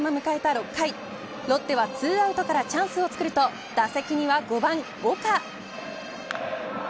６回ロッテは２アウトからチャンスをつくると打席には５番、岡。